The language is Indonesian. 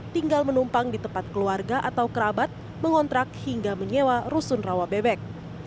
tinggal menumpang di tempat keluarga atau kerabat mengontrak hingga menyewa rusun rawa bebek